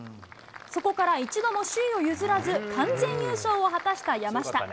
そこから一度も首位を譲らず、完全優勝を果たした山下。